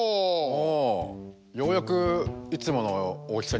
ああようやくいつもの大きさに戻ったな。